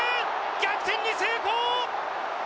逆転に成功！